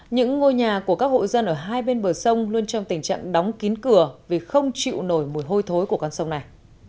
những ngôi nhà của các hộ dân ở hai bên bờ sông luôn trong tình trạng đóng kín cửa vì không chịu nổi mùi hôi thối của con sông này